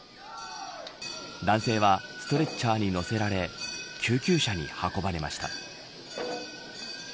男性はストレッチャーに乗せられ救急車に運ばれました。